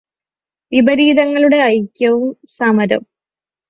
വിപരീതങ്ങളുടെ ഐക്യവും സമരവും